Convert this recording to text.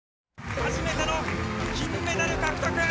初めての金メダル獲得！